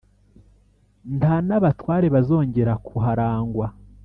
nta n’abatware bazongera kuharangwa.